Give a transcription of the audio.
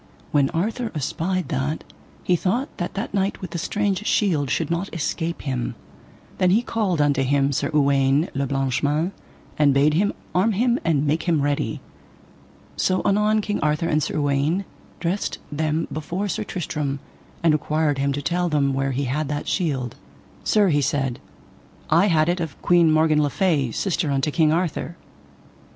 When Arthur espied that, he thought that that knight with the strange shield should not escape him. Then he called unto him Sir Uwaine le Blanche Mains, and bade him arm him and make him ready. So anon King Arthur and Sir Uwaine dressed them before Sir Tristram, and required him to tell them where he had that shield. Sir, he said, I had it of Queen Morgan le Fay, sister unto King Arthur.